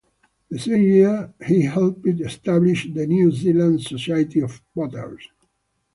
The same year he helped establish the New Zealand Society of Potters.